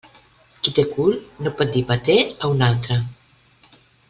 Qui té cul no pot dir peter a un altre.